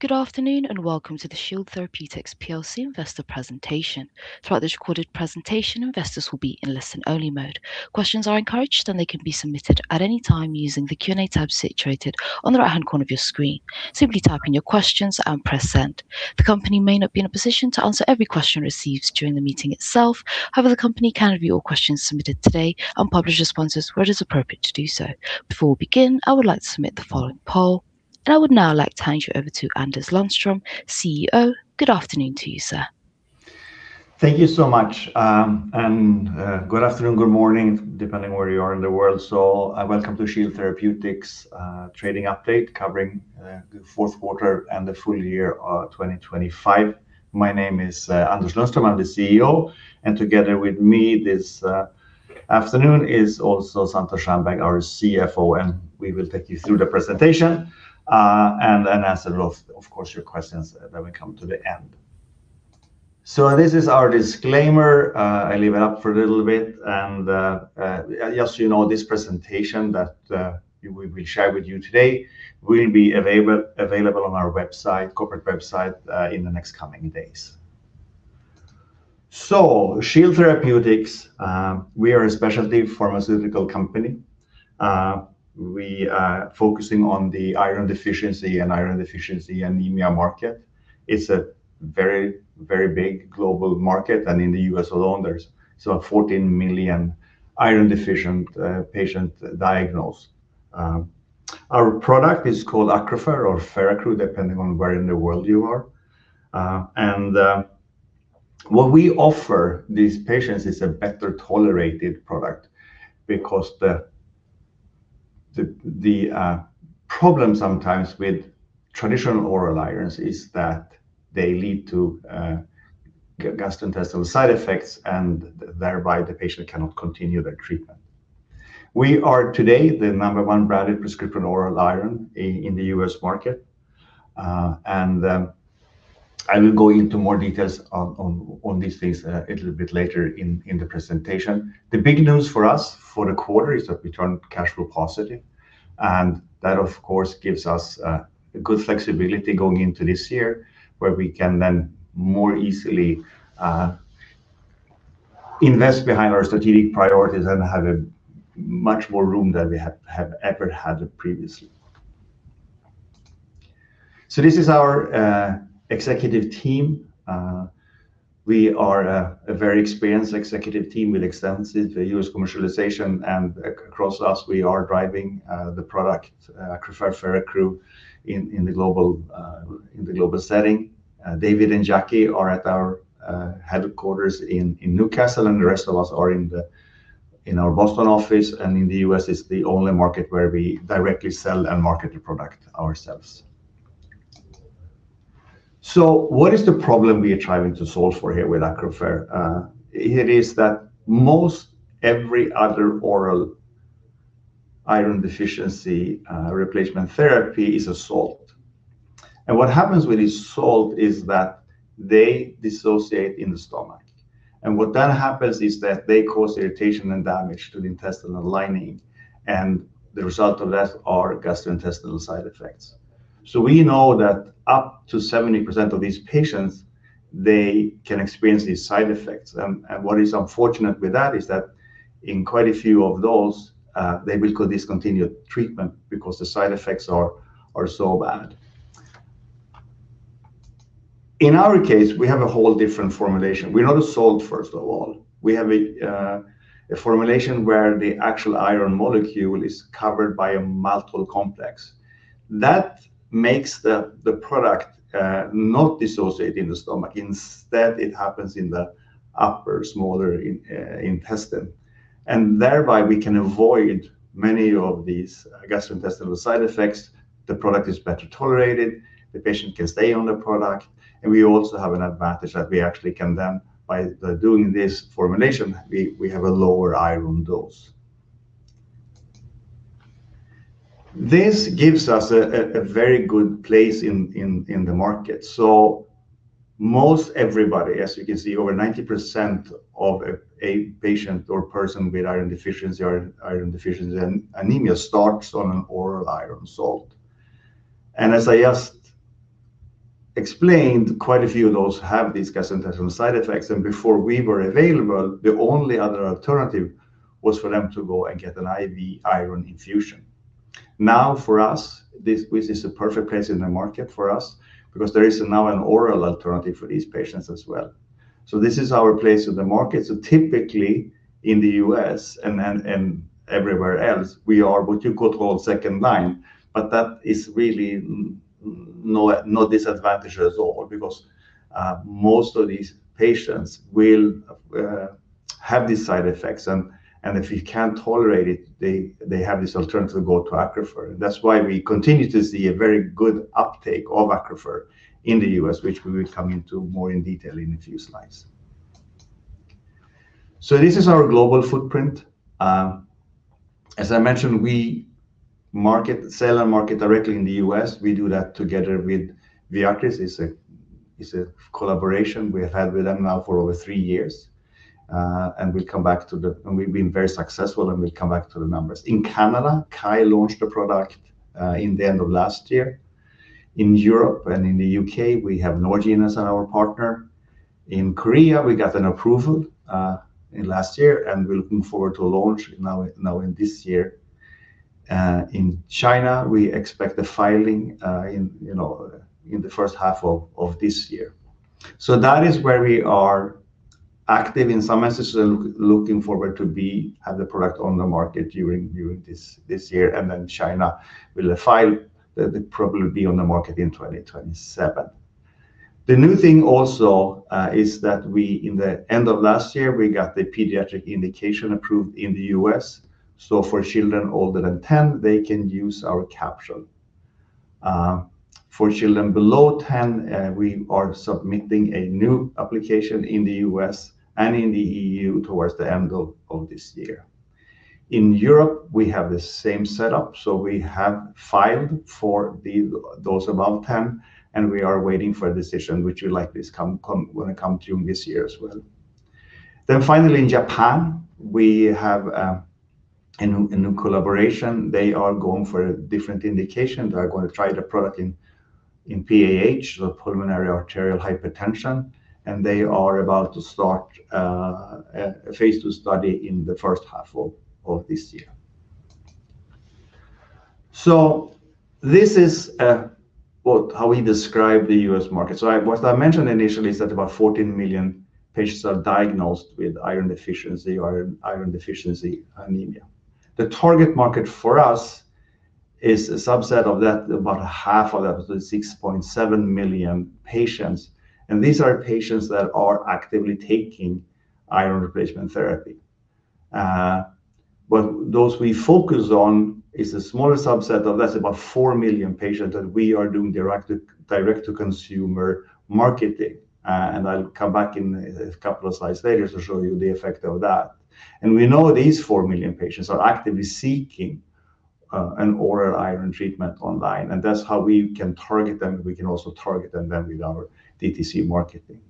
Good afternoon and welcome to the Shield Therapeutics PLC Investor presentation. Throughout this recorded presentation, investors will be in listen-only mode. Questions are encouraged, and they can be submitted at any time using the Q&A tab situated on the right-hand corner of your screen. Simply type in your questions and press send. The company may not be in a position to answer every question received during the meeting itself; however, the company can review all questions submitted today and publish responses where it is appropriate to do so. Before we begin, I would like to submit the following poll, and I would now like to hand you over to Anders Lundstrom, CEO. Good afternoon to you, sir. Thank you so much. And good afternoon, good morning, depending where you are in the world. So welcome to Shield Therapeutics trading update covering the fourth quarter and the full year of 2025. My name is Anders Lundstrom. I'm the CEO, and together with me this afternoon is also Santosh Shanbhag, our CFO, and we will take you through the presentation and answer, of course, your questions that will come to the end. So this is our disclaimer. I leave it up for a little bit. And just so you know, this presentation that we will share with you today will be available on our corporate website in the next coming days. So Shield Therapeutics, we are a specialty pharmaceutical company. We are focusing on the iron deficiency and iron deficiency anemia market. It's a very, very big global market, and in the U.S. alone, there's about 14 million iron deficient patients diagnosed. Our product is called ACCRUFeR or Feraccru, depending on where in the world you are. What we offer these patients is a better tolerated product because the problem sometimes with traditional oral irons is that they lead to gastrointestinal side effects, and thereby the patient cannot continue their treatment. We are today the number one branded prescription oral iron in the U.S. market, and I will go into more details on these things a little bit later in the presentation. The big news for us for the quarter is that we turned cash flow positive, and that, of course, gives us good flexibility going into this year where we can then more easily invest behind our strategic priorities and have much more room than we have ever had previously. So this is our executive team. We are a very experienced executive team with extensive U.S. commercialization, and across us, we are driving the product ACCRUFeR Feraccru in the global setting. David and Jackie are at our headquarters in Newcastle, and the rest of us are in our Boston office. And in the U.S., it's the only market where we directly sell and market the product ourselves. So what is the problem we are trying to solve for here with ACCRUFeR? It is that most every other oral iron deficiency replacement therapy is a salt. And what happens with this salt is that they dissociate in the stomach. And what then happens is that they cause irritation and damage to the intestinal lining, and the result of that are gastrointestinal side effects. So we know that up to 70% of these patients, they can experience these side effects. What is unfortunate with that is that in quite a few of those, they will discontinue treatment because the side effects are so bad. In our case, we have a whole different formulation. We're not a salt, first of all. We have a formulation where the actual iron molecule is covered by a MALTOL complex. That makes the product not dissociate in the stomach. Instead, it happens in the upper small intestine. And thereby, we can avoid many of these gastrointestinal side effects. The product is better tolerated. The patient can stay on the product. And we also have an advantage that we actually can then, by doing this formulation, we have a lower iron dose. This gives us a very good place in the market. Most everybody, as you can see, over 90% of a patient or person with iron deficiency or iron deficiency anemia starts on an oral iron salt. And as I just explained, quite a few of those have these gastrointestinal side effects. And before we were available, the only other alternative was for them to go and get an IV iron infusion. Now, for us, this is a perfect place in the market for us because there is now an oral alternative for these patients as well. So this is our place in the market. So typically, in the U.S. and everywhere else, we are what you could call second line, but that is really no disadvantage at all because most of these patients will have these side effects. And if you can't tolerate it, they have this alternative to go to ACCRUFeR. That's why we continue to see a very good uptake of ACCRUFeR in the U.S., which we will come into more in detail in a few slides. This is our global footprint. As I mentioned, we sell and market directly in the U.S. We do that together with Viatris. It's a collaboration we have had with them now for over three years. We've been very successful, and we'll come back to the numbers. In Canada, KYE launched the product in the end of last year. In Europe and in the U.K., we have Norgine as our partner. In Korea, we got an approval last year, and we're looking forward to launch now in this year. In China, we expect the filing in the first half of this year. So that is where we are active in some instances and looking forward to be at the product on the market during this year. And then China will file, probably be on the market in 2027. The new thing also is that in the end of last year, we got the pediatric indication approved in the U.S. So for children older than 10, they can use our capsule. For children below 10, we are submitting a new application in the U.S. and in the E.U. toward the end of this year. In Europe, we have the same setup. So we have filed for those above 10, and we are waiting for a decision, which we likely is going to come during this year as well. Then finally, in Japan, we have a new collaboration. They are going for a different indication. They're going to try the product in PAH, so pulmonary arterial hypertension, and they are about to start a phase II study in the first half of this year. So this is how we describe the U.S. market. So what I mentioned initially is that about 14 million patients are diagnosed with iron deficiency or iron deficiency anemia. The target market for us is a subset of that, about half of that, so 6.7 million patients. And these are patients that are actively taking iron replacement therapy. But those we focus on is a smaller subset of that's about 4 million patients that we are doing direct-to-consumer marketing. And I'll come back in a couple of slides later to show you the effect of that. And we know these 4 million patients are actively seeking an oral iron treatment online, and that's how we can target them. We can also target them then with our DTC marketing.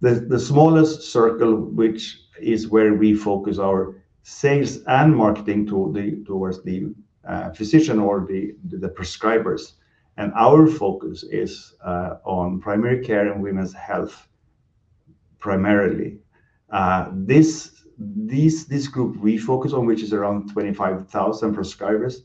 The smallest circle, which is where we focus our sales and marketing towards the physician or the prescribers, and our focus is on primary care and women's health primarily. This group we focus on, which is around 25,000 prescribers,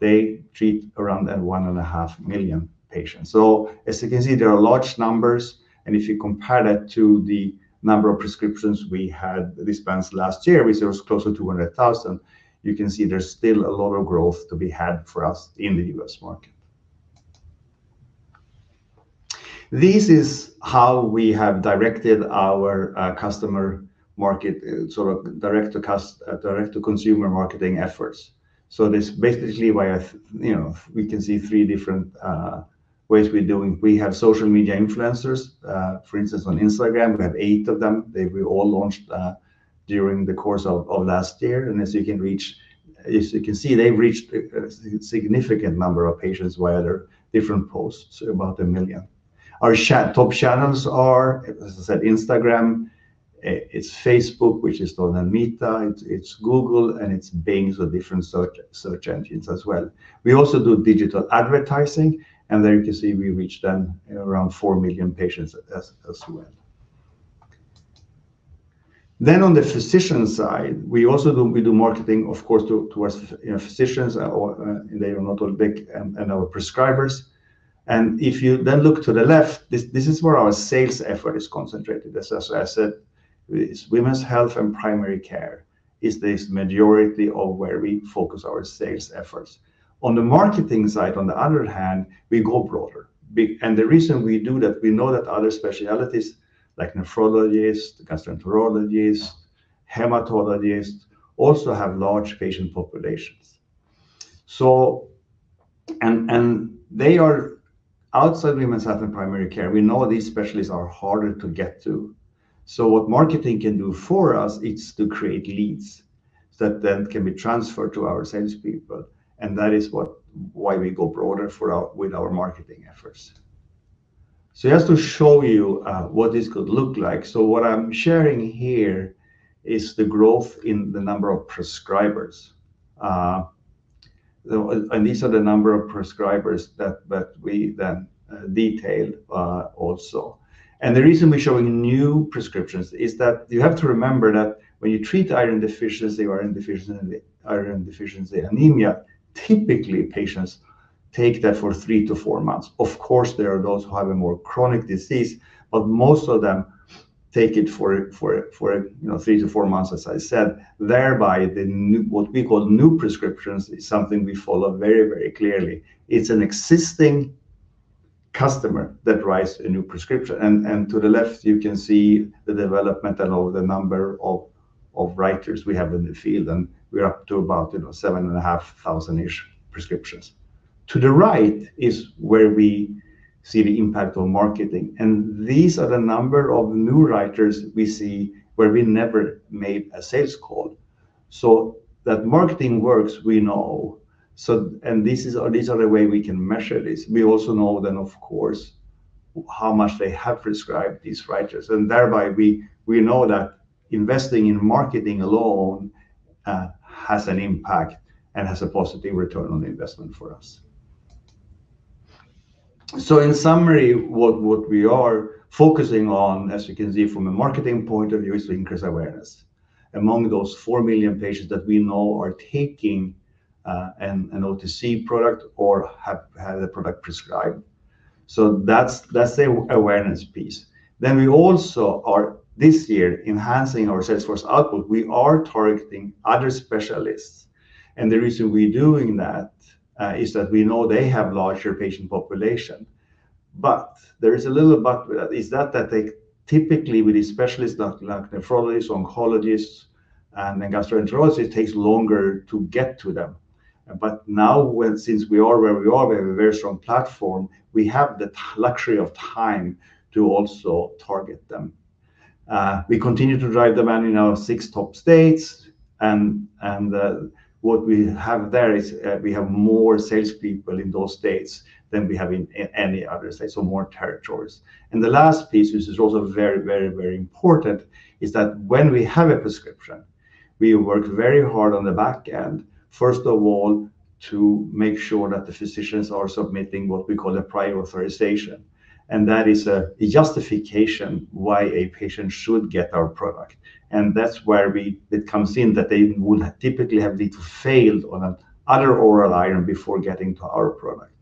they treat around one and a half million patients, so as you can see, there are large numbers, and if you compare that to the number of prescriptions we had this past last year, which was close to 200,000, you can see there's still a lot of growth to be had for us in the U.S. market. This is how we have directed our customer market, sort of direct-to-consumer marketing efforts, so this is basically why we can see three different ways we're doing. We have social media influencers. For instance, on Instagram, we have eight of them. They were all launched during the course of last year. As you can see, they've reached a significant number of patients via different posts, about 1 million. Our top channels are, as I said, Instagram. It's Facebook, which is still owned by Meta. It's Google, and it's Bing, so different search engines as well. We also do digital advertising, and there you can see we reached them around 4 million patients as well. Then on the physician side, we do marketing, of course, towards physicians, and they are not all big and our prescribers. If you then look to the left, this is where our sales effort is concentrated. As I said, it's women's health and primary care is the majority of where we focus our sales efforts. On the marketing side, on the other hand, we go broader. And the reason we do that, we know that other specialties like nephrologists, gastroenterologists, hematologists also have large patient populations. And they are outside women's health and primary care. We know these specialists are harder to get to. So what marketing can do for us is to create leads that then can be transferred to our salespeople. And that is why we go broader with our marketing efforts. So just to show you what this could look like, so what I'm sharing here is the growth in the number of prescribers. And these are the number of prescribers that we then detail also. And the reason we're showing new prescriptions is that you have to remember that when you treat iron deficiency or iron deficiency anemia, typically patients take that for three to four months. Of course, there are those who have a more chronic disease, but most of them take it for three to four months, as I said. Thereby, what we call new prescriptions is something we follow very, very clearly. It's an existing customer that writes a new prescription. And to the left, you can see the development and the number of writers we have in the field. And we're up to about 7,500-ish prescriptions. To the right is where we see the impact on marketing. And these are the number of new writers we see where we never made a sales call. So that marketing works, we know. And these are the way we can measure this. We also know then, of course, how much they have prescribed these writers. And thereby, we know that investing in marketing alone has an impact and has a positive return on investment for us. In summary, what we are focusing on, as you can see from a marketing point of view, is to increase awareness among those 4 million patients that we know are taking an OTC product or have the product prescribed. That's the awareness piece. We also are this year enhancing our salesforce output. We are targeting other specialists. The reason we're doing that is that we know they have larger patient population. There is a little but with that is that typically with these specialists like nephrologists, oncologists, and gastroenterologists, it takes longer to get to them. Now, since we are where we are, we have a very strong platform, we have the luxury of time to also target them. We continue to drive them in our six top states. What we have there is we have more salespeople in those states than we have in any other state, so more territories. The last piece, which is also very, very, very important, is that when we have a prescription, we work very hard on the back end, first of all, to make sure that the physicians are submitting what we call a prior authorization. That is a justification why a patient should get our product. That's where it comes in that they would typically have failed on another oral iron before getting to our product.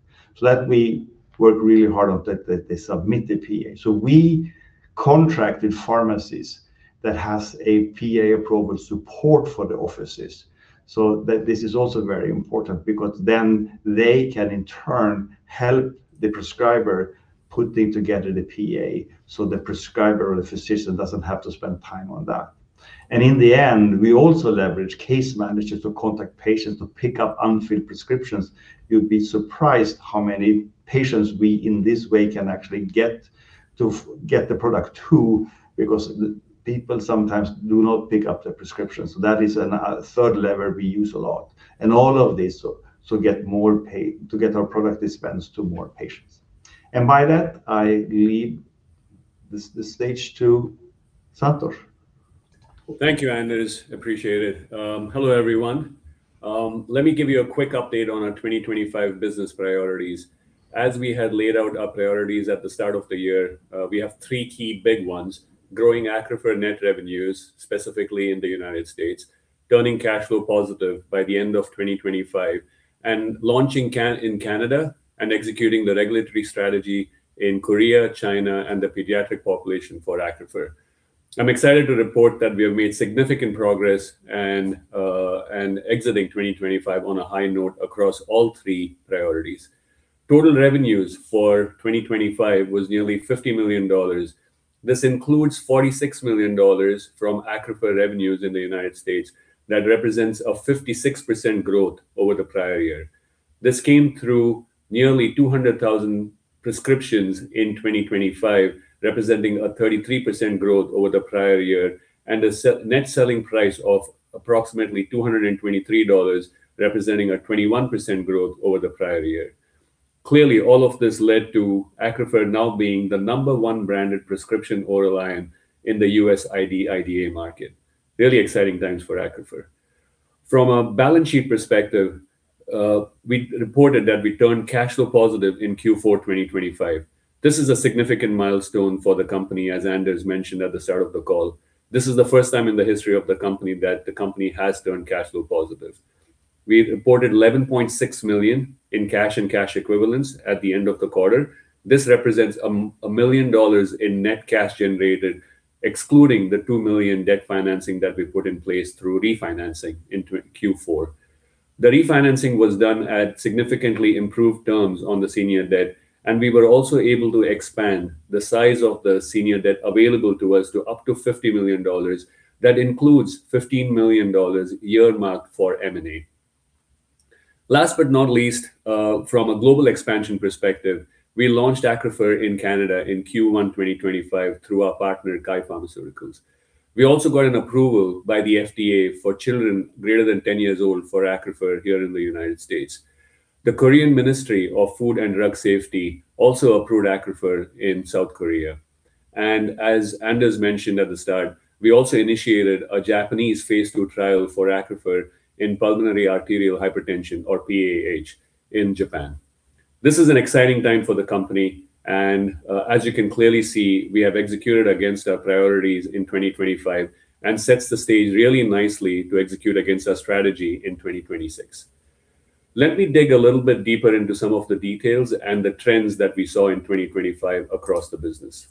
We work really hard on that they submit the PA. We contracted pharmacies that have a PA approval support for the offices. This is also very important because then they can, in turn, help the prescriber put together the PA so the prescriber or the physician doesn't have to spend time on that. And in the end, we also leverage case managers to contact patients to pick up unfilled prescriptions. You'd be surprised how many patients we in this way can actually get to get the product to because people sometimes do not pick up the prescription. That is a third lever we use a lot. And all of this to get more payers to get our product dispensed to more patients. And by that, I leave the stage to Santosh. Thank you, Anders. Appreciate it. Hello, everyone. Let me give you a quick update on our 2025 business priorities. As we had laid out our priorities at the start of the year, we have three key big ones: growing ACCRUFeR net revenues, specifically in the United States, turning cash flow positive by the end of 2025, and launching in Canada, and executing the regulatory strategy in Korea, China, and the pediatric population for ACCRUFeR. I'm excited to report that we have made significant progress and exiting 2025 on a high note across all three priorities. Total revenues for 2025 was nearly $50 million. This includes $46 million from ACCRUFeR revenues in the United States that represents a 56% growth over the prior-year. This came through nearly 200,000 prescriptions in 2025, representing a 33% growth over the prior-year and a net selling price of approximately $223, representing a 21% growth over the prior-year. Clearly, all of this led to ACCRUFeR now being the number one branded prescription oral iron in the US ID/IDA market. Really exciting times for ACCRUFeR. From a balance sheet perspective, we reported that we turned cash flow positive in Q4 2025. This is a significant milestone for the company, as Anders mentioned at the start of the call. This is the first time in the history of the company that the company has turned cash flow positive. We reported $11.6 million in cash and cash equivalents at the end of the quarter. This represents $1 million in net cash generated, excluding the $2 million debt financing that we put in place through refinancing in Q4. The refinancing was done at significantly improved terms on the senior debt, and we were also able to expand the size of the senior debt available to us to up to $50 million. That includes $15 million earmarked for M&A. Last but not least, from a global expansion perspective, we launched ACCRUFeR in Canada in Q1 2025 through our partner, KYE Pharmaceuticals. We also got an approval by the FDA for children greater than 10 years old for ACCRUFeR here in the United States. The Korean Ministry of Food and Drug Safety also approved ACCRUFeR in South Korea. And as Anders, mentioned at the start, we also initiated a Japanese phase II trial for ACCRUFeR in pulmonary arterial hypertension, or PAH, in Japan. This is an exciting time for the company. And as you can clearly see, we have executed against our priorities in 2025 and sets the stage really nicely to execute against our strategy in 2026. Let me dig a little bit deeper into some of the details and the trends that we saw in 2025 across the business.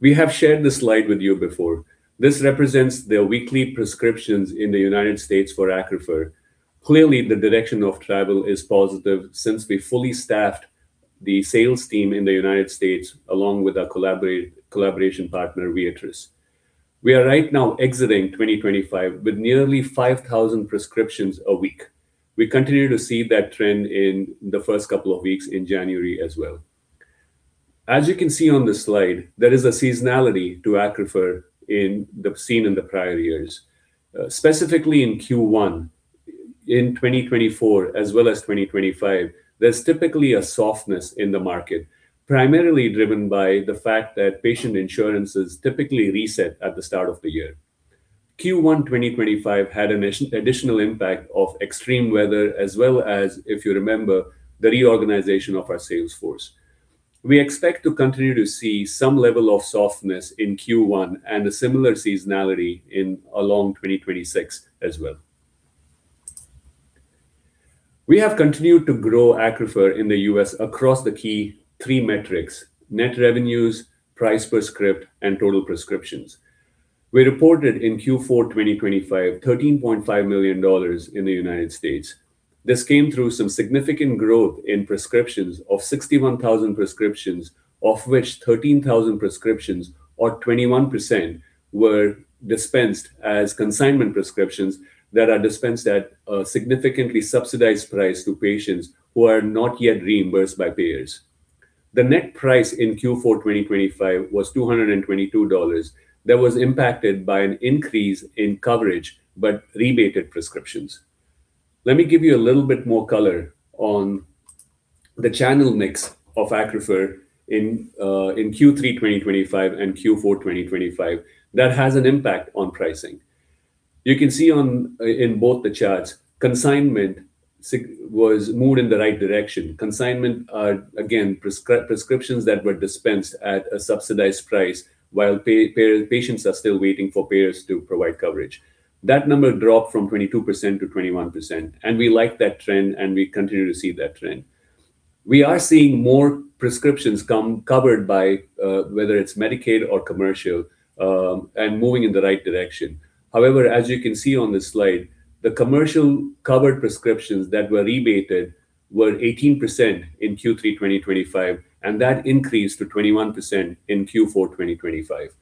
We have shared this slide with you before. This represents the weekly prescriptions in the United States for ACCRUFeR. Clearly, the direction of travel is positive since we fully staffed the sales team in the United States along with our collaboration partner, Viatris. We are right now exiting 2025 with nearly 5,000 prescriptions a week. We continue to see that trend in the first couple of weeks in January as well. As you can see on the slide, there is a seasonality to ACCRUFeR seen in the prior-years. Specifically in Q1, in 2024, as well as 2025, there's typically a softness in the market, primarily driven by the fact that patient insurances typically reset at the start of the year. Q1 2025 had an additional impact of extreme weather, as well as, if you remember, the reorganization of our salesforce. We expect to continue to see some level of softness in Q1 and a similar seasonality in 2026 as well. We have continued to grow ACCRUFeR in the U.S. across the key three metrics: net revenues, price per script, and total prescriptions. We reported in Q4 2025, $13.5 million in the United States. This came through some significant growth in prescriptions of 61,000 prescriptions, of which 13,000 prescriptions, or 21%, were dispensed as consignment prescriptions that are dispensed at a significantly subsidized price to patients who are not yet reimbursed by payers. The net price in Q4 2025 was $222. That was impacted by an increase in coverage, but rebated prescriptions. Let me give you a little bit more color on the channel mix of ACCRUFeR in Q3 2025 and Q4 2025 that has an impact on pricing. You can see in both the charts, consignment was moved in the right direction. Consignment, again, prescriptions that were dispensed at a subsidized price while patients are still waiting for payers to provide coverage. That number dropped from 22% to 21%, and we like that trend, and we continue to see that trend. We are seeing more prescriptions covered by whether it's Medicaid or commercial and moving in the right direction. However, as you can see on this slide, the commercial covered prescriptions that were rebated were 18% in Q3 2025, and that increased to 21% in Q4 2025.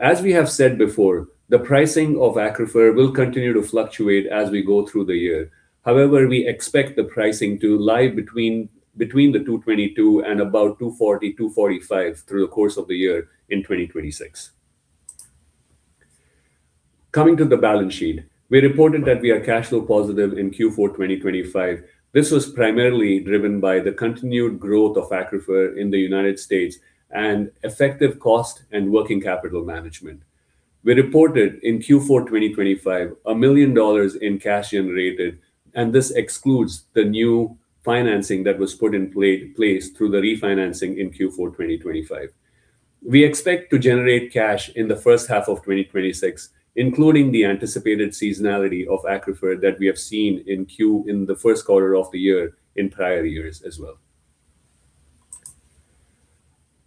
As we have said before, the pricing of ACCRUFeR will continue to fluctuate as we go through the year. However, we expect the pricing to lie between $222 and about $240-$245 through the course of the year in 2026. Coming to the balance sheet, we reported that we are cash flow positive in Q4 2025. This was primarily driven by the continued growth of ACCRUFeR in the United States and effective cost and working capital management. We reported in Q4 2025 $1 million in cash generated, and this excludes the new financing that was put in place through the refinancing in Q4 2025. We expect to generate cash in the first half of 2026, including the anticipated seasonality of ACCRUFeR that we have seen in Q1 in the first quarter of the year in prior-years as well.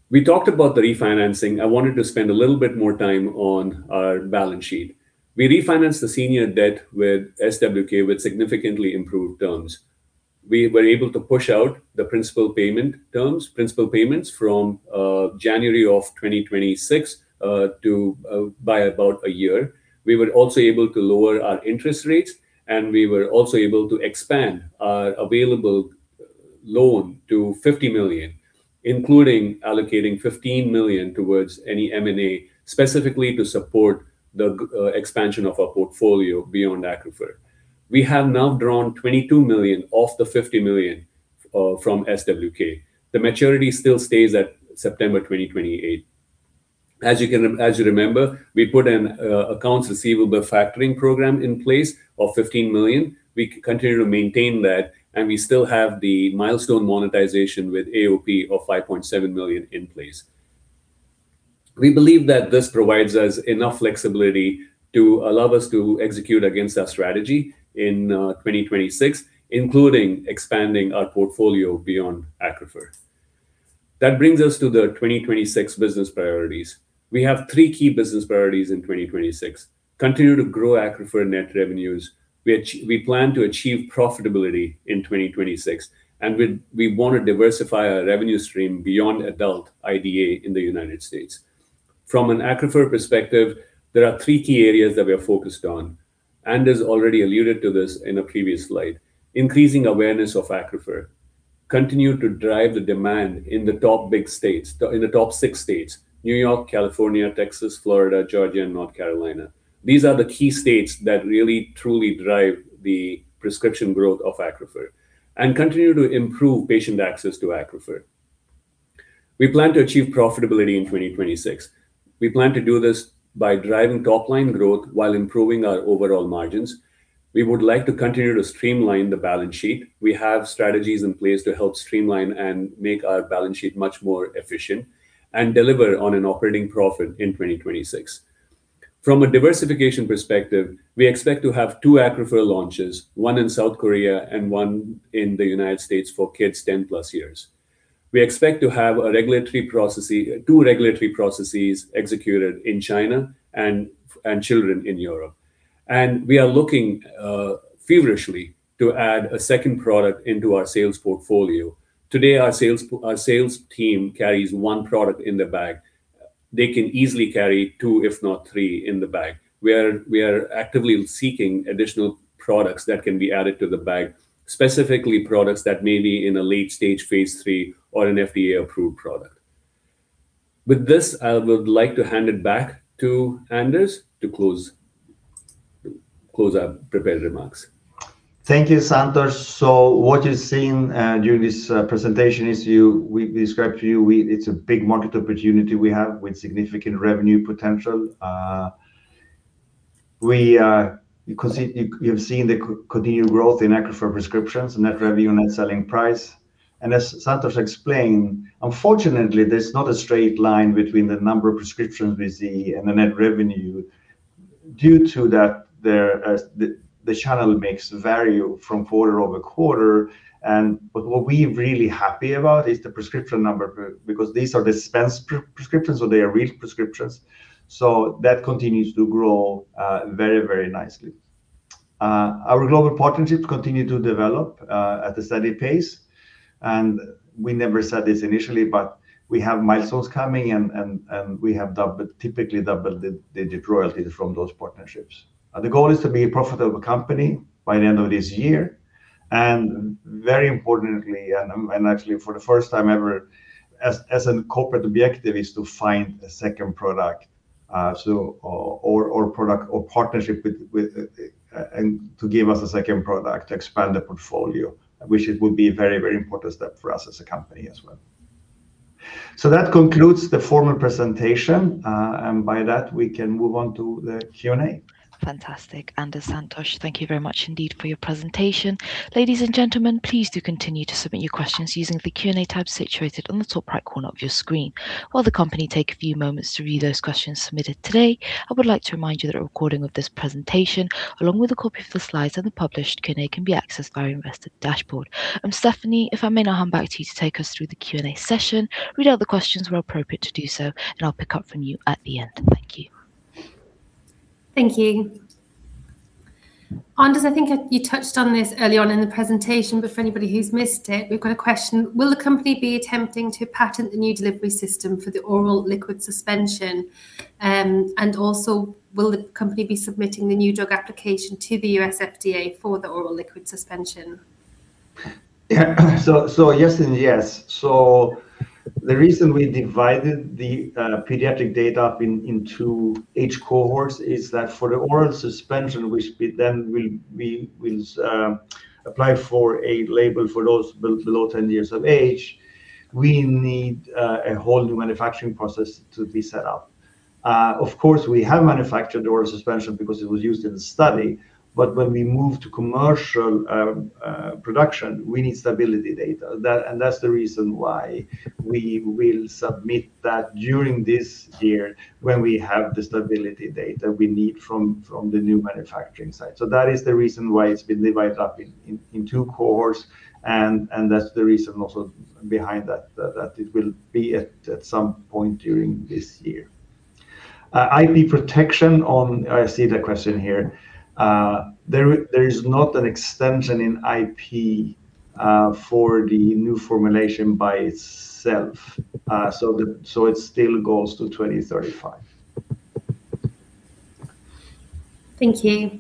We talked about the refinancing. I wanted to spend a little bit more time on our balance sheet. We refinanced the senior debt with SWK with significantly improved terms. We were able to push out the principal payment terms, principal payments from January of 2026 by about a year. We were also able to lower our interest rates, and we were also able to expand our available loan to $50 million, including allocating $15 million towards any M&A, specifically to support the expansion of our portfolio beyond ACCRUFeR. We have now drawn $22 million off the $50 million from SWK. The maturity still stays at September 2028. As you remember, we put an accounts receivable factoring program in place of $15 million. We continue to maintain that, and we still have the milestone monetization with AOP of $5.7 million in place. We believe that this provides us enough flexibility to allow us to execute against our strategy in 2026, including expanding our portfolio beyond ACCRUFeR. That brings us to the 2026 business priorities. We have three key business priorities in 2026. Continue to grow ACCRUFeR net revenues. We plan to achieve profitability in 2026, and we want to diversify our revenue stream beyond adult IDA in the United States. From an ACCRUFeR perspective, there are three key areas that we are focused on. Andy's already alluded to this in a previous slide. Increasing awareness of ACCRUFeR continues to drive the demand in the top big states, in the top six states: New York, California, Texas, Florida, Georgia, and North Carolina. These are the key states that really truly drive the prescription growth of ACCRUFeR and continue to improve patient access to ACCRUFeR. We plan to achieve profitability in 2026. We plan to do this by driving top-line growth while improving our overall margins. We would like to continue to streamline the balance sheet. We have strategies in place to help streamline and make our balance sheet much more efficient and deliver on an operating profit in 2026. From a diversification perspective, we expect to have two ACCRUFeR launches, one in South Korea and one in the United States for kids 10+ years. We expect to have two regulatory processes executed in China and children in Europe. We are looking feverishly to add a second product into our sales portfolio. Today, our sales team carries one product in the bag. They can easily carry two, if not three, in the bag. We are actively seeking additional products that can be added to the bag, specifically products that may be in a late stage phase III or an FDA-approved product. With this, I would like to hand it back to Anders to close our prepared remarks. Thank you, Santosh. What you've seen during this presentation is we described to you it's a big market opportunity we have with significant revenue potential. You have seen the continued growth in ACCRUFeR prescriptions, net revenue, net selling price. And as Santosh explained, unfortunately, there's not a straight line between the number of prescriptions we see and the net revenue. Due to that, the channel makes value from quarter over quarter. But what we're really happy about is the prescription number because these are dispensed prescriptions, so they are real prescriptions. So that continues to grow very, very nicely. Our global partnerships continue to develop at a steady pace. And we never said this initially, but we have milestones coming, and we have typically double-digit royalties from those partnerships. The goal is to be a profitable company by the end of this year. And very importantly, and actually for the first time ever, as a corporate objective, is to find a second product or partnership to give us a second product to expand the portfolio, which would be a very, very important step for us as a company as well. So that concludes the formal presentation. And by that, we can move on to the Q&A. Fantastic.Anders and Santosh, thank you very much indeed for your presentation. Ladies and gentlemen, please do continue to submit your questions using the Q&A tab situated on the top right corner of your screen. While the company takes a few moments to read those questions submitted today, I would like to remind you that a recording of this presentation, along with a copy of the slides and the published Q&A, can be accessed via Investor Dashboard. Stephanie, if I may now hand back to you to take us through the Q&A session, read out the questions where appropriate to do so, and I'll pick up from you at the end. Thank you. Thank you. Anders, I think you touched on this early on in the presentation, but for anybody who's missed it, we've got a question. Will the company be attempting to patent the new delivery system for the oral liquid suspension? And also, will the company be submitting the new drug application to the U.S. FDA for the oral liquid suspension? So yes and yes. So the reason we divided the pediatric data up into age cohorts is that for the oral suspension, which then we will apply for a label for those below 10 years of age, we need a whole new manufacturing process to be set up. Of course, we have manufactured oral suspension because it was used in the study. But when we move to commercial production, we need stability data. And that's the reason why we will submit that during this year when we have the stability data we need from the new manufacturing site. So that is the reason why it's been divided up in two cohorts. And that's the reason also behind that it will be at some point during this year. IP protection on, I see the question here. There is not an extension in IP for the new formulation by itself. So it still goes to 2035. Thank you.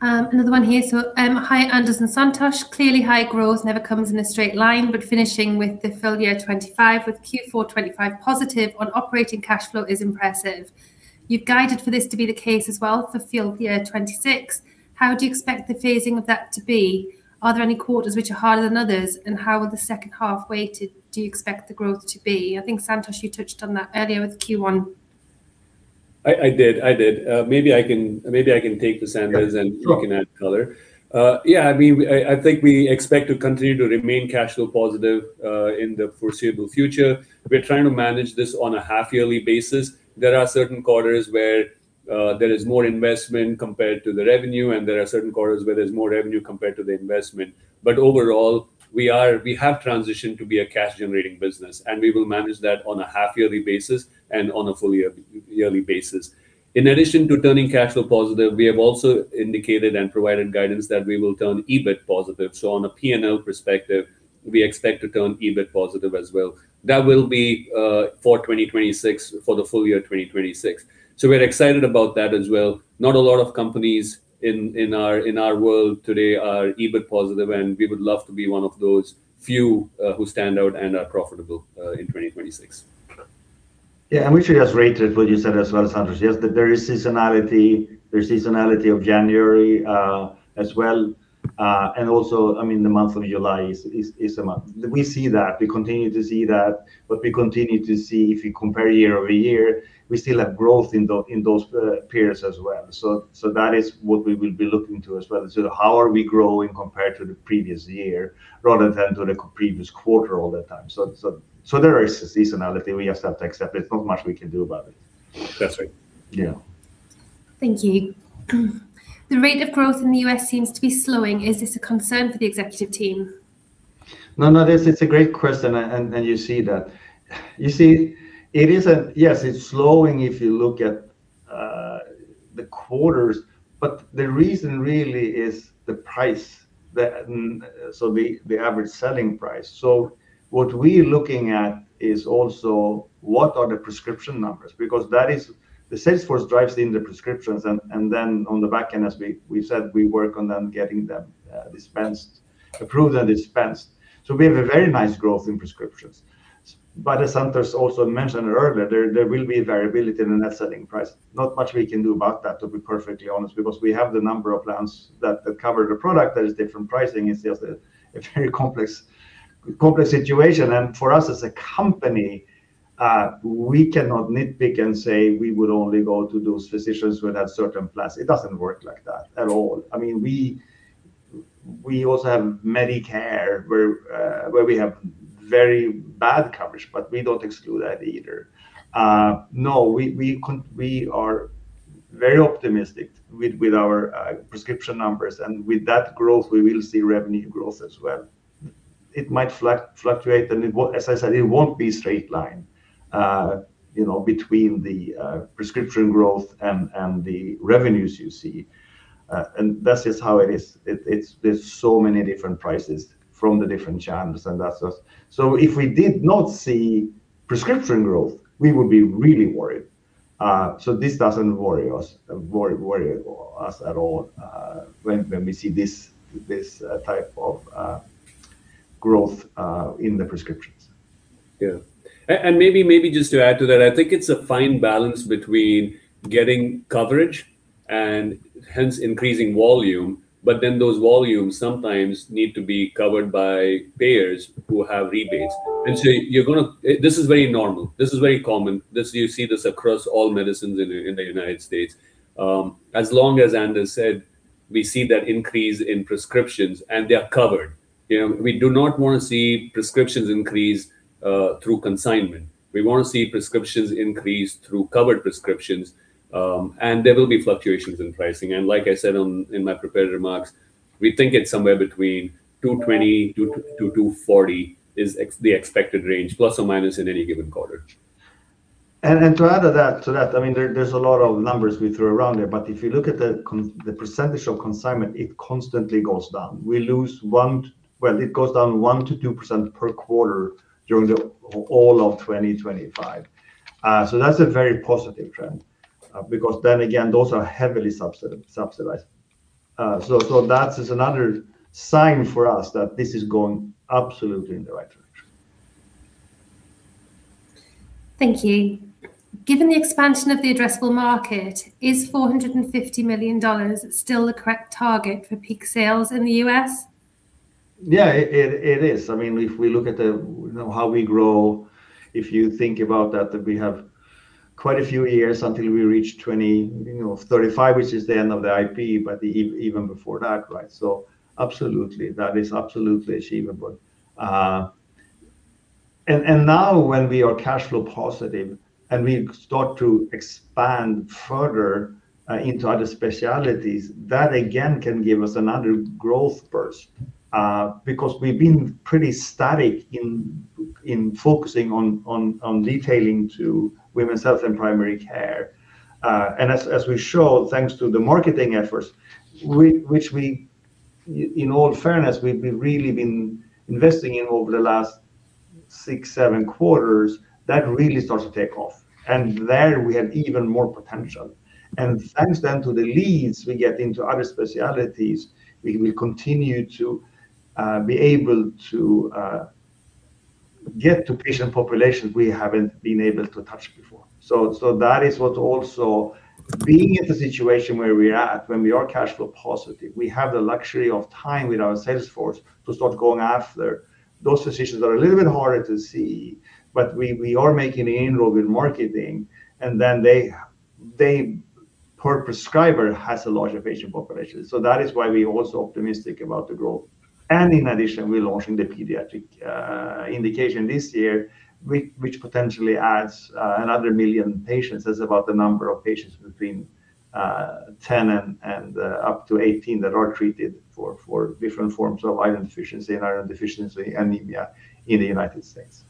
Another one here. So hi, Anders and Santosh. Clearly, high growth never comes in a straight line, but finishing with the full year 2025 with Q4 2025 positive on operating cash flow is impressive. You've guided for this to be the case as well for full year 2026. How do you expect the phasing of that to be? Are there any quarters which are harder than others? And how will the second half be weighted? Do you expect the growth to be? I think, Santosh, you touched on that earlier with Q1. I did. I did. Maybe I can take that, Anders, and you can add color. Yeah, I mean, I think we expect to continue to remain cash flow positive in the foreseeable future. We're trying to manage this on a half-yearly basis. There are certain quarters where there is more investment compared to the revenue, and there are certain quarters where there's more revenue compared to the investment. But overall, we have transitioned to be a cash-generating business, and we will manage that on a half-yearly basis and on a full-yearly basis. In addition to turning cash flow positive, we have also indicated and provided guidance that we will turn EBIT positive. So on a P&L perspective, we expect to turn EBIT positive as well. That will be for 2026, for the full year 2026. So we're excited about that as well. Not a lot of companies in our world today are EBIT positive, and we would love to be one of those few who stand out and are profitable in 2026. Yeah, and we should just reiterate what you said as well, Santosh. Yes, there is seasonality. There's seasonality in January as well. And also, I mean, the month of July is a month. We see that. We continue to see that. But we continue to see, if you compare year over year, we still have growth in those periods as well. So that is what we will be looking to as well. So how are we growing compared to the previous year rather than to the previous quarter all the time? So there is seasonality. We just have to accept it. There's not much we can do about it. That's right. Yeah. Thank you. The rate of growth in the U.S. seems to be slowing. Is this a concern for the executive team? No, no, it's a great question, and you see that. You see, it isn't, yes, it's slowing if you look at the quarters. But the reason really is the price. So the average selling price. So what we're looking at is also what are the prescription numbers? Because the sales force drives in the prescriptions. And then on the back end, as we said, we work on them getting them dispensed, approved and dispensed. So we have a very nice growth in prescriptions. But as Santosh also mentioned earlier, there will be variability in the net selling price. Not much we can do about that, to be perfectly honest, because we have the number of plans that cover the product that is different pricing. It's just a very complex situation. And for us as a company, we cannot nitpick and say we would only go to those physicians who have certain plans. It doesn't work like that at all. I mean, we also have Medicare where we have very bad coverage, but we don't exclude that either. No, we are very optimistic with our prescription numbers. And with that growth, we will see revenue growth as well. It might fluctuate. And as I said, it won't be straight line between the prescription growth and the revenues you see. And that's just how it is. There's so many different prices from the different channels. And so if we did not see prescription growth, we would be really worried. So this doesn't worry us at all when we see this type of growth in the prescriptions. Yeah. And maybe just to add to that, I think it's a fine balance between getting coverage and hence increasing volume. But then those volumes sometimes need to be covered by payers who have rebates. And so this is very normal. This is very common. You see this across all medicines in the United States. As long as, Anders said, we see that increase in prescriptions and they are covered. We do not want to see prescriptions increase through consignment. We want to see prescriptions increase through covered prescriptions. And there will be fluctuations in pricing. Like I said in my prepared remarks, we think it's somewhere between $220-$240, which is the expected range, plus or minus in any given quarter. To add to that, I mean, there is a lot of numbers we threw around there. But if you look at the percentage of consignment, it constantly goes down. It goes down 1%-2% per quarter during all of 2025. That is a very positive trend because then again, those are heavily subsidized. That is another sign for us that this is going absolutely in the right direction. Thank you. Given the expansion of the addressable market, is $450 million still the correct target for peak sales in the U.S.? Yeah, it is. I mean, if we look at how we grow, if you think about that, we have quite a few years until we reach 2035, which is the end of the IP, but even before that, right? So absolutely, that is absolutely achievable. And now when we are cash flow positive and we start to expand further into other specialties, that again can give us another growth burst because we've been pretty static in focusing on detailing to women's health and primary care. And as we show, thanks to the marketing efforts, which we, in all fairness, we've really been investing in over the last six, seven quarters, that really starts to take off. And there we have even more potential. And thanks then to the leads we get into other specialties, we will continue to be able to get to patient populations we haven't been able to touch before. That is what also being at the situation where we're at, when we are cash flow positive, we have the luxury of time with our sales force to start going after those physicians that are a little bit harder to see. But we are making inroads with marketing. And then the per prescriber has a larger patient population. That is why we're also optimistic about the growth. In addition, we're launching the pediatric indication this year, which potentially adds another million patients. That's about the number of patients between 10 and up to 18 that are treated for different forms of iron deficiency and iron deficiency anemia in the United States.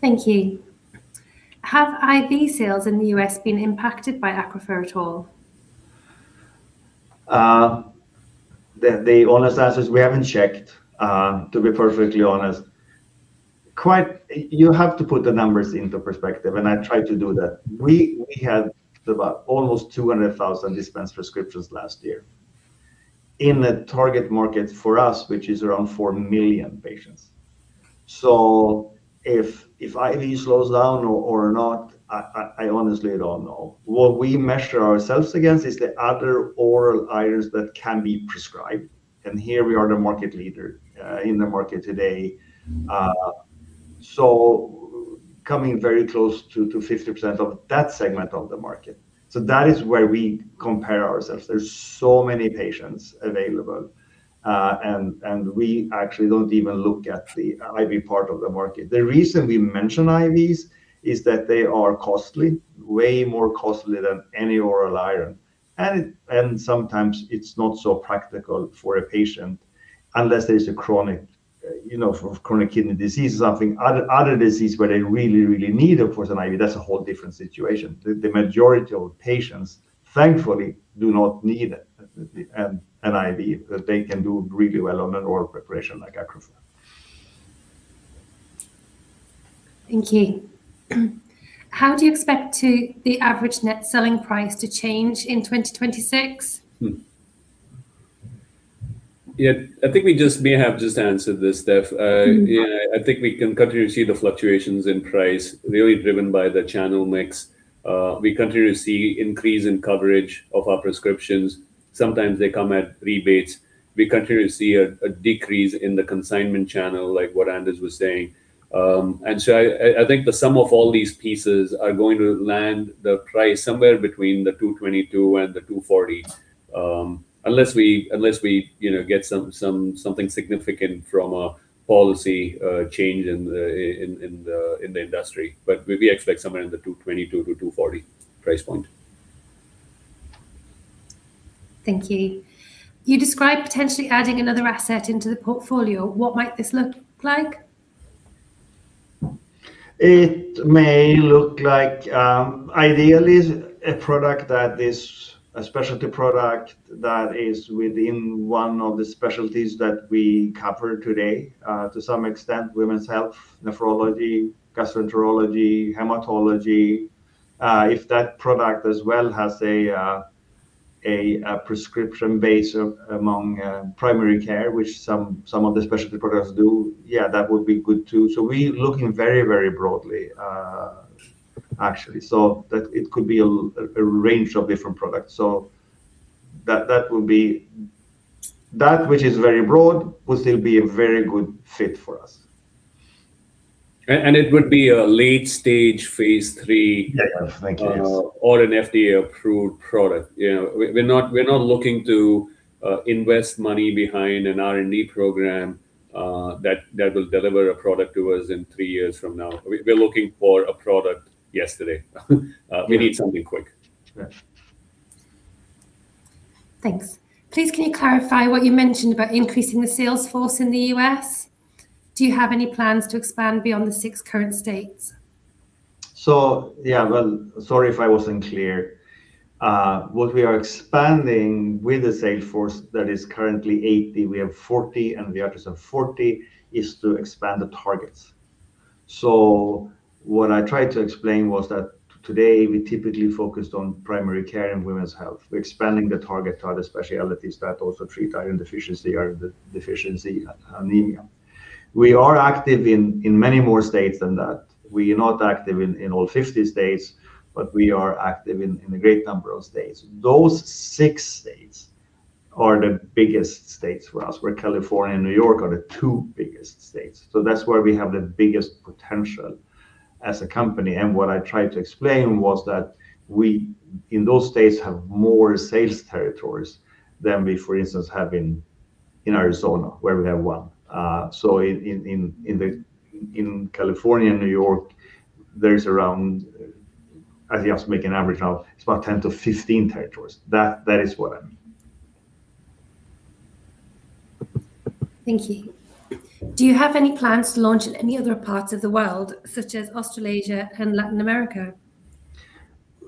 Thank you. Have IV sales in the U.S. been impacted by ACCRUFeR at all? The honest answer is we haven't checked, to be perfectly honest. You have to put the numbers into perspective, and I try to do that. We had about almost 200,000 dispensed prescriptions last year in a target market for us, which is around 4 million patients. So if IV slows down or not, I honestly don't know. What we measure ourselves against is the other oral items that can be prescribed. And here we are the market leader in the market today, so coming very close to 50% of that segment of the market. So that is where we compare ourselves. There's so many patients available, and we actually don't even look at the IV part of the market. The reason we mention IVs is that they are costly, way more costly than any oral iron. And sometimes it's not so practical for a patient unless there's a chronic kidney disease or something, other disease where they really, really need it for an IV. That's a whole different situation. The majority of patients, thankfully, do not need an IV. They can do really well on an oral preparation like ACCRUFeR. Thank you. How do you expect the average net selling price to change in 2026? Yeah, I think we just may have just answered this, Steph. I think we can continue to see the fluctuations in price, really driven by the channel mix. We continue to see an increase in coverage of our prescriptions. Sometimes they come at rebates. We continue to see a decrease in the consignment channel, like what Andy was saying. I think the sum of all these pieces are going to land the price somewhere between $222 and $240, unless we get something significant from a policy change in the industry. But we expect somewhere in the $222-$240 price point. Thank you. You described potentially adding another asset into the portfolio. What might this look like? It may look like ideally a product that is a specialty product that is within one of the specialties that we cover today to some extent: women's health, nephrology, gastroenterology, hematology. If that product as well has a prescription base among primary care, which some of the specialty products do, yeah, that would be good too. So we're looking very, very broadly, actually. So it could be a range of different products. So that would be that, which is very broad, would still be a very good fit for us. And it would be a late-stage phase III or an FDA-approved product. We're not looking to invest money behind an R&D program that will deliver a product to us in three years from now. We're looking for a product yesterday. We need something quick. Thanks. Please, can you clarify what you mentioned about increasing the sales force in the U.S.? Do you have any plans to expand beyond the six current states? So yeah, well, sorry if I wasn't clear. What we are expanding with the sales force that is currently 80, we have 40, and the others are 40, is to expand the targets. So what I tried to explain was that today we typically focused on primary care and women's health. We're expanding the target to other specialties that also treat iron deficiency or deficiency anemia. We are active in many more states than that. We are not active in all 50 states, but we are active in a great number of states. Those six states are the biggest states for us, where California and New York are the two biggest states. So that's where we have the biggest potential as a company. And what I tried to explain was that we in those states have more sales territories than we, for instance, have in Arizona, where we have one. So in California and New York, there's around, I think I'm making an average now, it's about 10-15 territories. That is what I mean. Thank you. Do you have any plans to launch in any other parts of the world, such as Australasia and Latin America?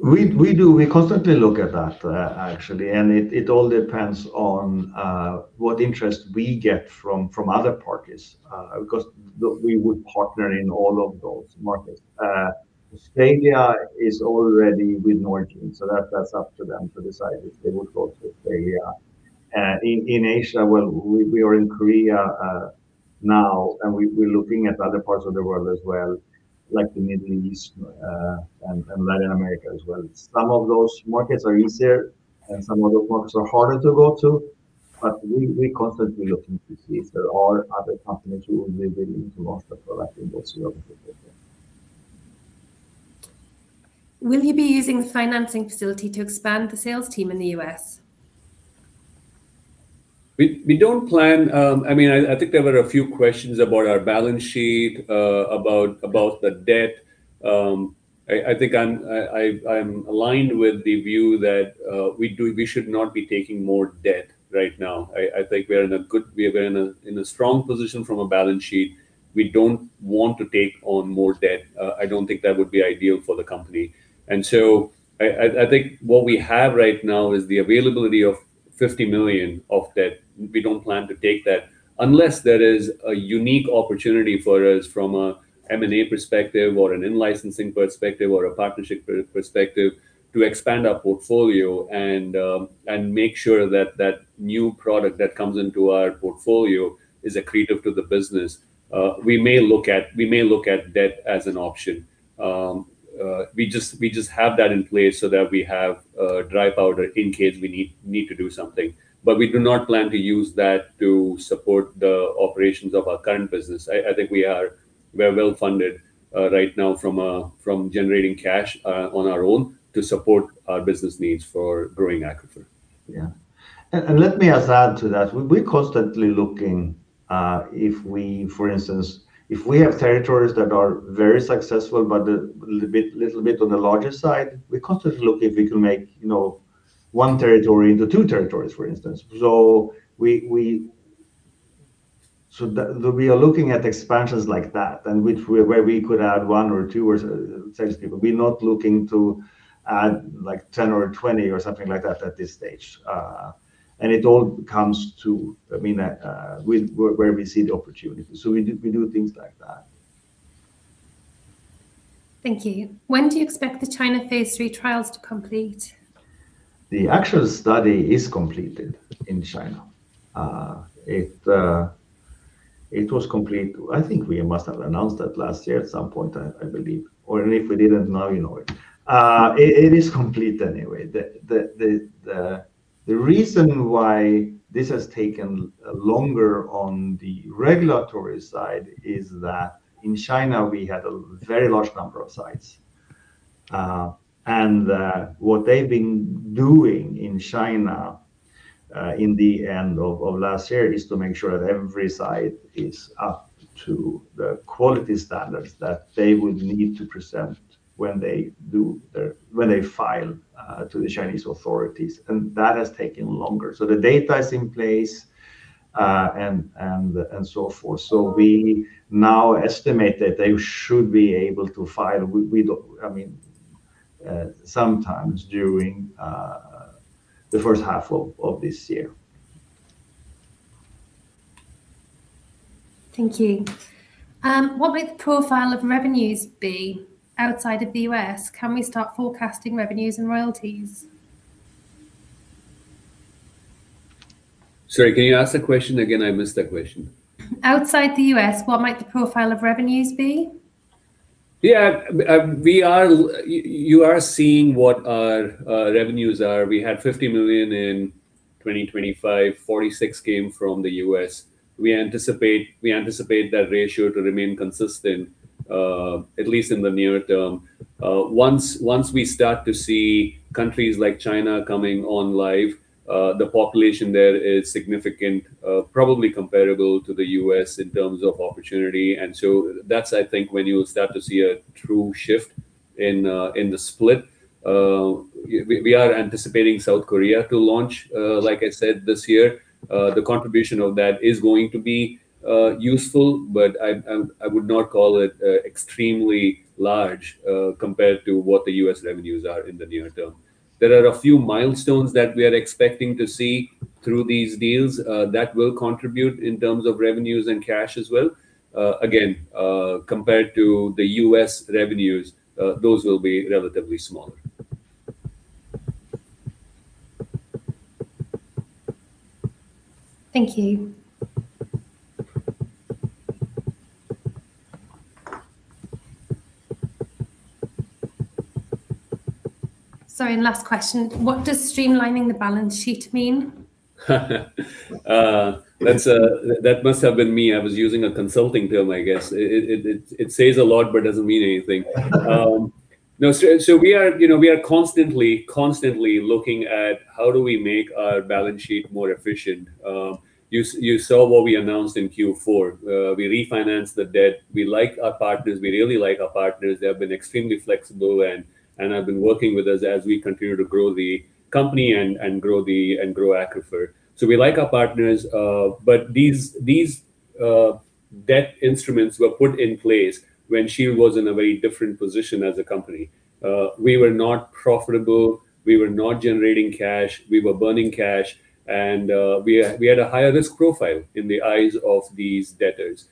We do. We constantly look at that, actually. And it all depends on what interest we get from other parties because we would partner in all of those markets. Australia is already with Norgine. So that's up to them to decide if they would go to Australia. In Asia, well, we are in Korea now, and we're looking at other parts of the world as well, like the Middle East and Latin America as well. Some of those markets are easier, and some of those markets are harder to go to. But we're constantly looking to see if there are other companies who would be willing to launch the product in those geographies. Will you be using the financing facility to expand the sales team in the US? We don't plan. I mean, I think there were a few questions about our balance sheet, about the debt. I think I'm aligned with the view that we should not be taking more debt right now. I think we're in a strong position from a balance sheet. We don't want to take on more debt. I don't think that would be ideal for the company. So I think what we have right now is the availability of $50 million of debt. We don't plan to take that unless there is a unique opportunity for us from an M&A perspective or an in-licensing perspective or a partnership perspective to expand our portfolio and make sure that that new product that comes into our portfolio is accretive to the business. We may look at debt as an option. We just have that in place so that we have dry powder in case we need to do something. But we do not plan to use that to support the operations of our current business. I think we are well-funded right now from generating cash on our own to support our business needs for growing ACCRUFeR. Yeah. And let me add to that. We are constantly looking if we, for instance, if we have territories that are very successful, but a little bit on the larger side, we constantly look if we can make one territory into two territories, for instance. So we are looking at expansions like that, where we could add one or two sales people. We are not looking to add like 10 or 20 or something like that at this stage. And it all comes to, I mean, where we see the opportunity. So we do things like that. Thank you. When do you expect the China phase III trials to complete? The actual study is completed in China. It was complete. I think we must have announced that last year at some point, I believe. Or if we didn't, now you know it. It is complete anyway. The reason why this has taken longer on the regulatory side is that in China, we had a very large number of sites, and what they've been doing in China in the end of last year is to make sure that every site is up to the quality standards that they would need to present when they file to the Chinese authorities, and that has taken longer, so the data is in place and so forth, so we now estimate that they should be able to file, I mean, sometime during the first half of this year. Thank you. What might the profile of revenues be outside of the U.S.? Can we start forecasting revenues and royalties? Sorry, can you ask the question again? I missed that question. Outside the U.S., what might the profile of revenues be? Yeah, you are seeing what our revenues are. We had $50 million in 2025. $46 million came from the U.S. We anticipate that ratio to remain consistent, at least in the near term. Once we start to see countries like China coming on live, the population there is significant, probably comparable to the U.S. in terms of opportunity. And so that's, I think, when you start to see a true shift in the split. We are anticipating South Korea to launch, like I said, this year. The contribution of that is going to be useful, but I would not call it extremely large compared to what the U.S. revenues are in the near-term. There are a few milestones that we are expecting to see through these deals that will contribute in terms of revenues and cash as well. Again, compared to the U.S. revenues, those will be relatively smaller. Thank you. Sorry, last question. What does streamlining the balance sheet mean? That must have been me. I was using a consulting term, I guess. It says a lot, but doesn't mean anything. No. So we are constantly looking at how do we make our balance sheet more efficient. You saw what we announced in Q4. We refinanced the debt. We like our partners. We really like our partners. They have been extremely flexible and have been working with us as we continue to grow the company and grow ACCRUFeR. So we like our partners. But these debt instruments were put in place when we were in a very different position as a company. We were not profitable. We were not generating cash. We were burning cash, and we had a higher risk profile in the eyes of these debtors.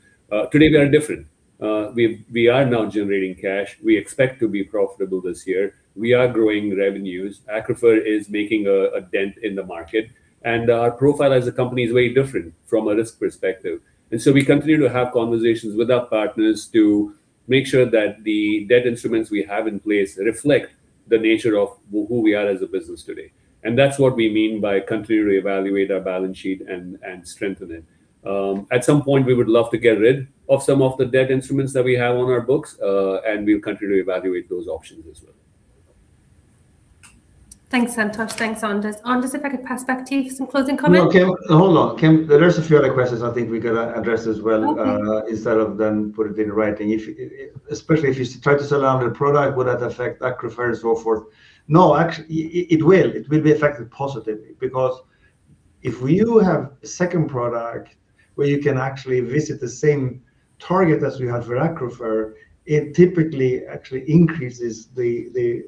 Today, we are different. We are now generating cash. We expect to be profitable this year. We are growing revenues. ACCRUFeR is making a dent in the market, and our profile as a company is very different from a risk perspective, and so we continue to have conversations with our partners to make sure that the debt instruments we have in place reflect the nature of who we are as a business today, and that's what we mean by continuing to evaluate our balance sheet and strengthen it. At some point, we would love to get rid of some of the debt instruments that we have on our books, and we'll continue to evaluate those options as well. Thanks, Santosh. Thanks, Anders. Anders, if I could pass back to you for some closing comments. Okay. Hold on. There are a few other questions I think we got to address as well instead of then put it in writing. Especially if you try to sell another product, would that affect ACCRUFeR and so forth? No, actually, it will. It will be affected positively because if you have a second product where you can actually visit the same target as we have for ACCRUFeR, it typically actually increases the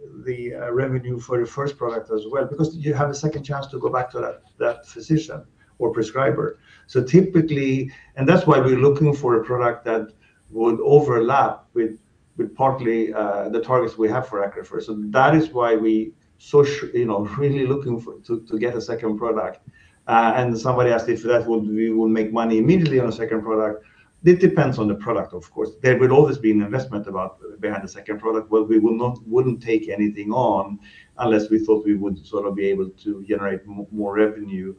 revenue for the first product as well because you have a second chance to go back to that physician or prescriber. So typically, and that's why we're looking for a product that would overlap with partly the targets we have for ACCRUFeR. So that is why we're really looking to get a second product. And somebody asked if that would mean we would make money immediately on a second product. It depends on the product, of course. There will always be an investment behind the second product. Well, we wouldn't take anything on unless we thought we would sort of be able to generate more revenue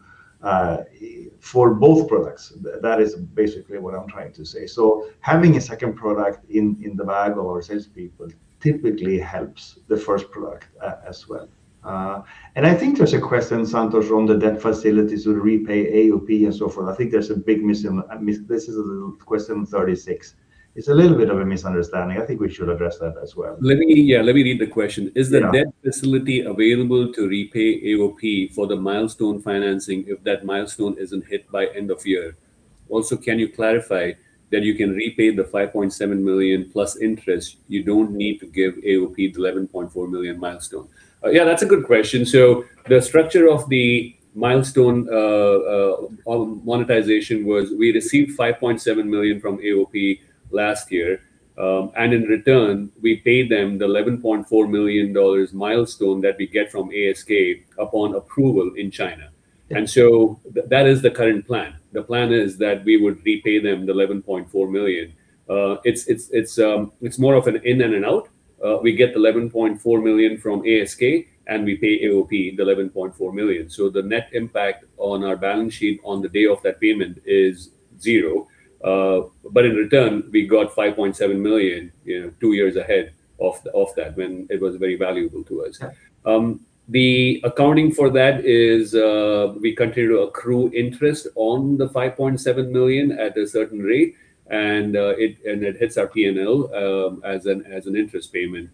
for both products. That is basically what I'm trying to say. So having a second product in the bag of our salespeople typically helps the first product as well. And I think there's a question, Santosh, on the debt facility to repay AOP and so forth. I think there's a big miss. This is a question 36. It's a little bit of a misunderstanding. I think we should address that as well. Yeah, let me read the question. Is the debt facility available to repay AOP for the milestone financing if that milestone isn't hit by end of year? Also, can you clarify that you can repay the $5.7 million plus interest? You don't need to give AOP $11.4 million milestone. Yeah, that's a good question. So the structure of the milestone monetization was we received $5.7 million from AOP last year. And in return, we paid them the $11.4 million milestone that we get from ASK upon approval in China. And so that is the current plan. The plan is that we would repay them the $11.4 million. It's more of an in and an out. We get the $11.4 million from ASK, and we pay AOP the $11.4 million. So the net impact on our balance sheet on the day of that payment is zero. But in return, we got $5.7 million two years ahead of that when it was very valuable to us. The accounting for that is we continue to accrue interest on the $5.7 million at a certain rate, and it hits our P&L as an interest payment.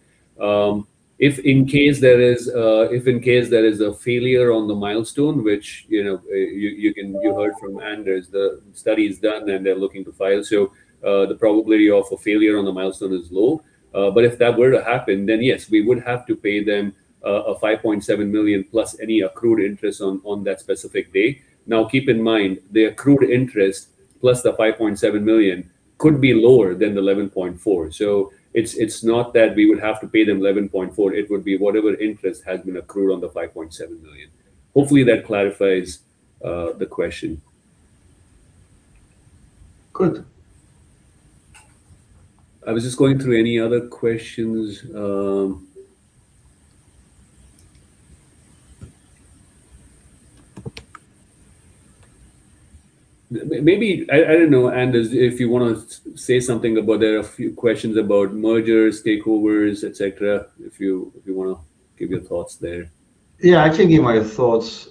If in case there is a failure on the milestone, which you heard from Anders, the study is done and they're looking to file. So the probability of a failure on the milestone is low. But if that were to happen, then yes, we would have to pay them $5.7 million plus any accrued interest on that specific date. Now, keep in mind, the accrued interest plus the $5.7 million could be lower than the $11.4 million. So it's not that we would have to pay them $11.4 million. It would be whatever interest has been accrued on the $5.7 million. Hopefully, that clarifies the question. Good. I was just going through any other questions. Maybe, I don't know, Anders, if you want to say something about there are a few questions about mergers, takeovers, etc., if you want to give your thoughts there. Yeah, I can give my thoughts.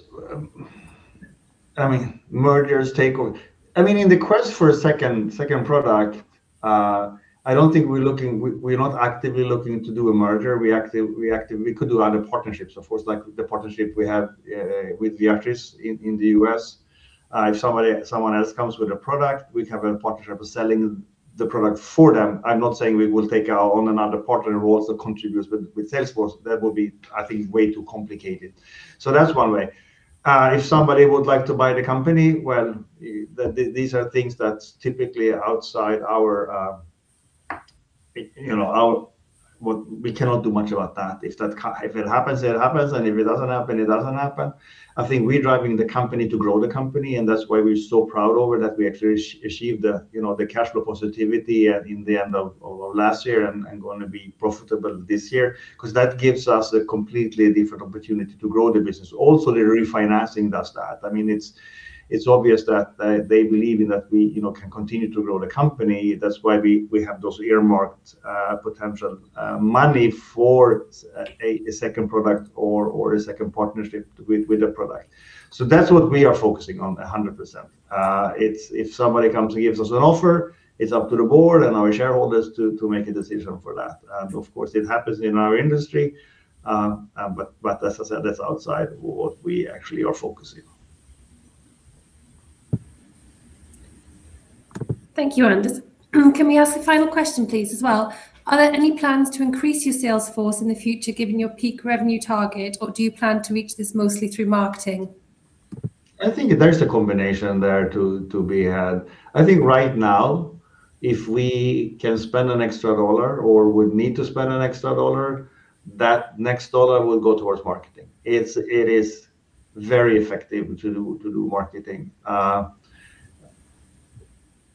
I mean, mergers, takeovers. I mean, in the quest for a second product, I don't think we're looking. We're not actively looking to do a merger. We could do other partnerships, of course, like the partnership we have with Viatris in the U.S. If someone else comes with a product, we have a partnership of selling the product for them. I'm not saying we will take on another partner who also contributes with sales force. That would be, I think, way too complicated. So that's one way. If somebody would like to buy the company, well, these are things that typically are outside of our control. We cannot do much about that. If it happens, it happens, and if it doesn't happen, it doesn't happen. I think we're driving the company to grow the company, and that's why we're so proud of it that we actually achieved cash flow positive in the end of last year and going to be profitable this year because that gives us a completely different opportunity to grow the business. Also, the refinancing does that. I mean, it's obvious that they believe that we can continue to grow the company. That's why we have those earmarked potential money for a second product or a second partnership with a product, so that's what we are focusing on 100%. If somebody comes and gives us an offer, it's up to the board and our shareholders to make a decision for that. And of course, it happens in our industry. But as I said, that's outside what we actually are focusing on. Thank you, Anders. Can we ask a final question, please, as well? Are there any plans to increase your sales force in the future given your peak revenue target, or do you plan to reach this mostly through marketing? I think there's a combination there to be had. I think right now, if we can spend an extra dollar or would need to spend an extra dollar, that next dollar will go towards marketing. It is very effective to do marketing.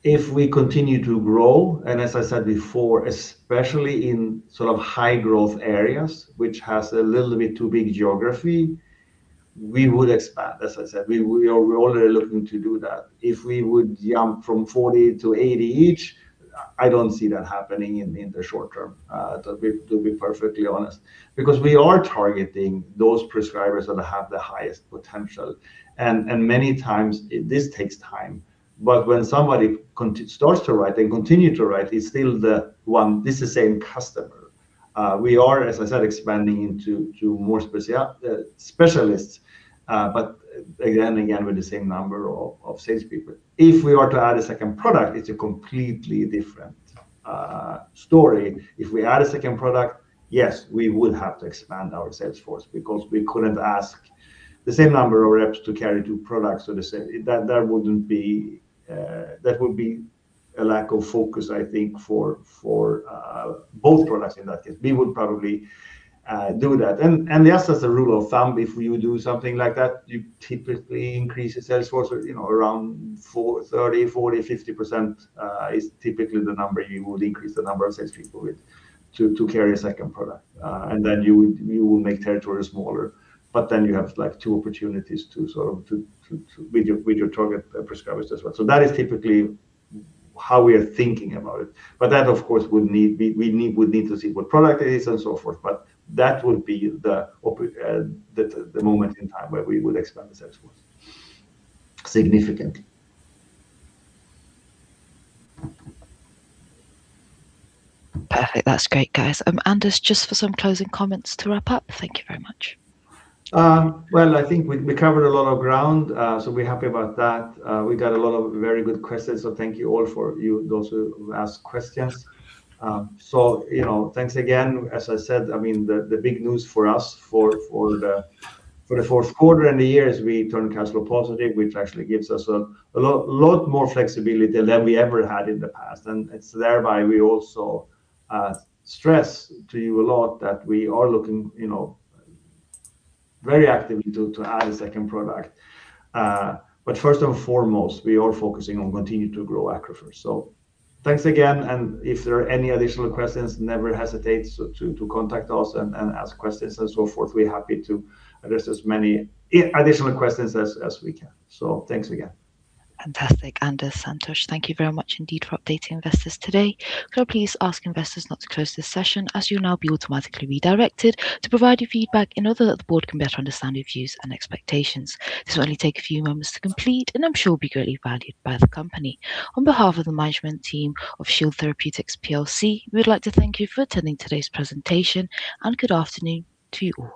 If we continue to grow, and as I said before, especially in sort of high-growth areas, which has a little bit too big geography, we would expand. As I said, we are already looking to do that. If we would jump from 40 to 80 each, I don't see that happening in the short-term, to be perfectly honest, because we are targeting those prescribers that have the highest potential. And many times, this takes time. But when somebody starts to write and continue to write, it's still the one. This is the same customer. We are, as I said, expanding into more specialists, but again, with the same number of salespeople. If we are to add a second product, it's a completely different story. If we add a second product, yes, we would have to expand our sales force because we couldn't ask the same number of reps to carry two products. So that wouldn't be a lack of focus, I think, for both products in that case. We would probably do that. And yes, as a rule of thumb, if you do something like that, you typically increase your sales force around 30%, 40%, 50% is typically the number you would increase the number of salespeople with to carry a second product. And then you will make territory smaller. But then you have two opportunities to sort of with your target prescribers as well. So that is typically how we are thinking about it. But that, of course, we would need to see what product it is and so forth. But that would be the moment in time where we would expand the sales force significantly. Perfect. That's great, guys. Anders, just for some closing comments to wrap up. Thank you very much. Well, I think we covered a lot of ground. So we're happy about that. We got a lot of very good questions. Thank you all for those who asked questions. So thanks again. As I said, I mean, the big news for us for the fourth quarter and the year is we turned cash flow positive, which actually gives us a lot more flexibility than we ever had in the past. And thereby, we also stress to you a lot that we are looking very actively to add a second product. But first and foremost, we are focusing on continuing to grow ACCRUFeR. So thanks again. And if there are any additional questions, never hesitate to contact us and ask questions and so forth. We're happy to address as many additional questions as we can. So thanks again. Fantastic. Anders, Santosh, thank you very much indeed for updating investors today. Could I please ask investors not to close this session as you'll now be automatically redirected to provide your feedback in order that the board can better understand your views and expectations? This will only take a few moments to complete, and I'm sure it will be greatly valued by the company. On behalf of the management team of Shield Therapeutics plc, we'd like to thank you for attending today's presentation. And good afternoon to you all.